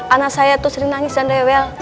anak saya itu sering nangis dan rewel